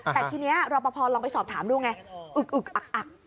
แต่ทีนี้รอปภลองไปสอบถามดูไงอึกอึกอักอัก